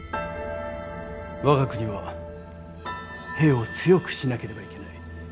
我が国は兵を強くしなければいけない。